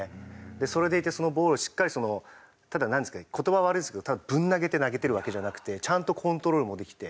それでいてボールをしっかりそのただなんていうんですか言葉悪いですけどぶん投げて投げてるわけじゃなくてちゃんとコントロールもできて。